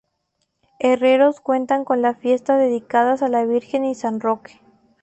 Herreros cuenta con las fiestas dedicadas a la Virgen y San Roque.